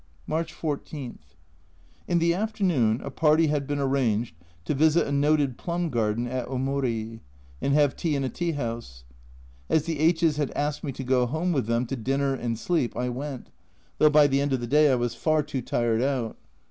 March 14. In the afternoon a party had been arranged to visit a noted plum garden at Omori, and have tea in a tea house. As the H s had asked me to go home with them to dinner and sleep, I went, though by the end of the day I was far too tired out.